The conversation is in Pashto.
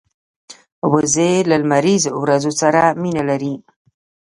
وزې له لمریز ورځو سره مینه لري